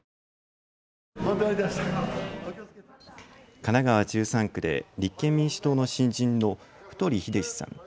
神奈川１３区で立憲民主党の新人の太栄志さん。